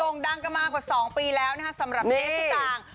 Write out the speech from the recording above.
โด่งดังกันมากกว่าสองปีแล้วนะฮะสำหรับเจ๊สตางค์